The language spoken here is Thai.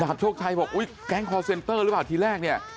โชคชัยบอกอุ๊ยแก๊งคอร์เซ็นเตอร์หรือเปล่าทีแรกเนี่ย